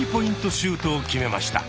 シュートを決めました。